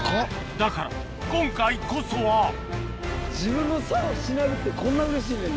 だから今回こそは自分の竿しなるってこんなうれしいねんな。